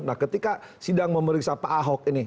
nah ketika sidang memeriksa pak ahok ini